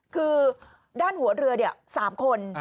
คือด้านหัวเรือเนี่ย๓คน